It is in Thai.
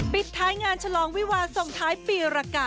ปิดท้ายงานฉลองวิวาส่งท้ายปีรกา